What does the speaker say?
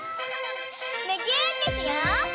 むぎゅーってしよう！